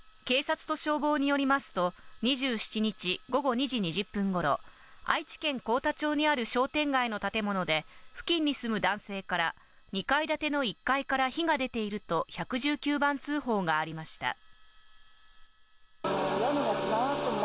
警察と消防によりますと２７日、午後２時２０分ごろ愛知県幸田町にある商店街の建物で付近に住む男性から２階建ての１階から火が出ていると１１９番通報がありました。